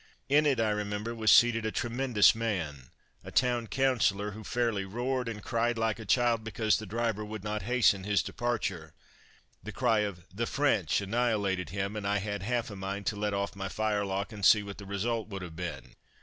In it I remember was seated a tremendous man, a town councillor, who fairly roared and cried like a child because the driver would not hasten his departure the cry of "the French" annihilated him, and I had half a mind to let off my fire lock and see what the result would have been.